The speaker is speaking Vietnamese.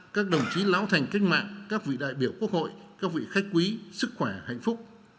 các đồng chí lão thành cách mạng các vị đại biểu quốc hội các vị khách quý sức khỏe hạnh phúc